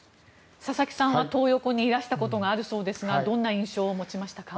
佐々木さんはトー横にいらしたことがあるようですがどんな印象を持ちましたか。